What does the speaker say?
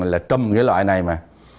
là trâm cái loại này mà